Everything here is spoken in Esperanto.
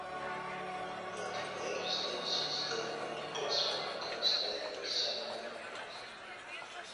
La diversaj sistemoj respondas al malsamaj bezonoj.